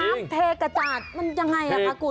น้ำเทกระจาดมันยังไงล่ะครับกุ๊ด